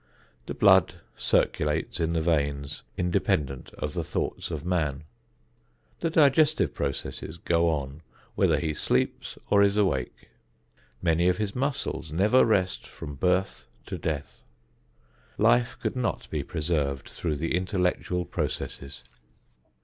The blood circulates in the veins independent of the thoughts of man. The digestive processes go on whether he sleeps or is awake. Many of his muscles never rest from birth to death. Life could not be preserved through the intellectual processes.